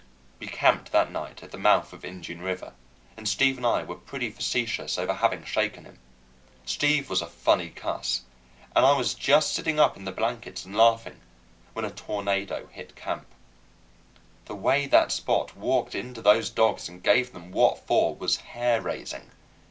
We camped that night at the mouth of Indian River, and Steve and I were pretty facetious over having shaken him. Steve was a funny cuss, and I was just sitting up in the blankets and laughing when a tornado hit camp. The way that Spot walked into those dogs and gave them what for was hair raising.